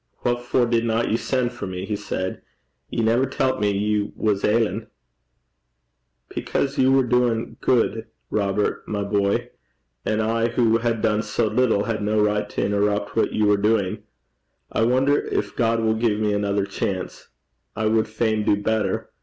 'What for didna ye sen' for me?' he said. 'Ye never tellt me ye was ailin'.' 'Because you were doing good, Robert, my boy; and I who had done so little had no right to interrupt what you were doing. I wonder if God will give me another chance. I would fain do better.